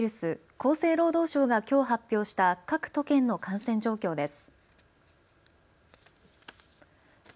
厚生労働省がきょう発表した各都県の感染状況です。